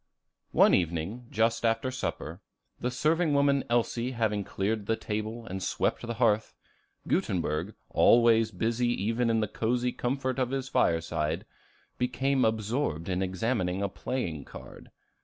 One evening, just after supper, the serving woman Elsie having cleared the table and swept the hearth, Gutenberg, always busy even in the cozy comfort of his fireside, became absorbed in examining a playing card.